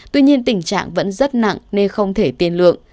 tuy nhiên tình trạng vẫn rất nặng nên không thể tiền lượng